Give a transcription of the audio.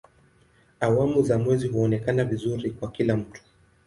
Awamu za mwezi huonekana vizuri kwa kila mtu.